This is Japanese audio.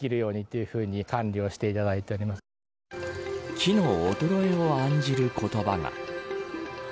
木の衰えを案じる言葉が。